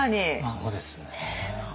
そうですね。